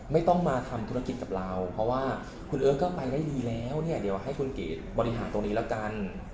ไม่ต้องมาทำธุรกิจกับเราเพราะว่าคุณเอิร์ทก็ไปได้ดีแล้วเนี่ยเดี๋ยวให้คุณเก๋บริหารตรงนี้แล้วกัน